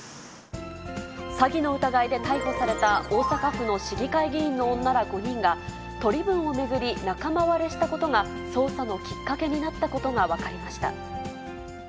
詐欺の疑いで逮捕された大阪府の市議会議員の女ら５人が、取り分を巡り、仲間割れしたことが、捜査のきっかけになったことが分かりました。